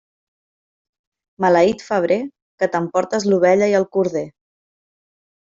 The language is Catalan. Maleït febrer, que t'emportes l'ovella i el corder.